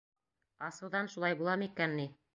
Асыуҙан шулай була микән ни?